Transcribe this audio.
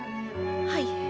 はい。